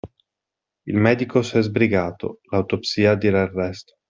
Il medico s'è sbrigato: L'autopsia dirà il resto.